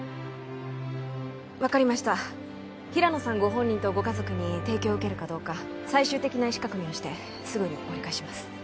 分かりました平野さんご本人とご家族に提供を受けるかどうか最終的な意思確認をしてすぐに折り返します